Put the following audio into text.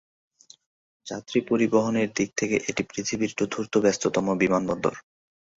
যাত্রী পরিবহনের দিক থেকে এটি পৃথিবীর চতুর্থ ব্যস্ততম বিমানবন্দর।